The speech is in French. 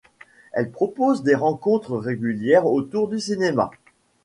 Elle propose des rencontres régulières autour du cinéma.